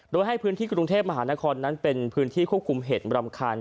โดยให้พื้นที่กรุงเทพมหานครนั้นเป็นพื้นที่ควบคุมเหตุรำคาญ